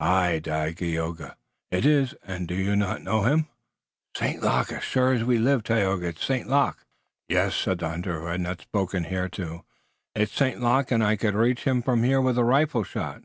"Aye, Dagaeoga, it is! And do you not know him?" "St. Luc! As sure as we live, Tayoga, it's St. Luc." "Yes," said the hunter, who had not spoken hitherto. "It's St. Luc, and I could reach him from here with a rifle shot."